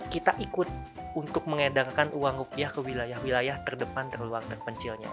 kita ikut untuk mengedangkan uang rupiah ke wilayah wilayah terdepan terluang terpencilnya